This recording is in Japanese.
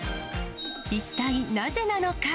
一体なぜなのか。